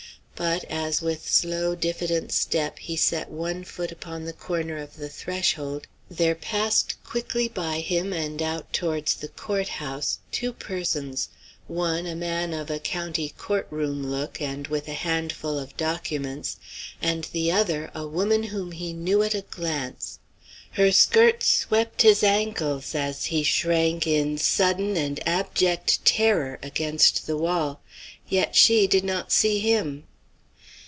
But, as with slow, diffident step he set one foot upon the corner of the threshold, there passed quickly by him and out towards the court house, two persons, one a man of a county court room look and with a handful of documents, and the other a woman whom he knew at a glance. Her skirts swept his ankles as he shrank in sudden and abject terror against the wall, yet she did not see him.